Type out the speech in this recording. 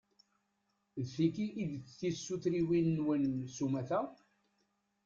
D tigi i d tisutriwin-nwen s umata?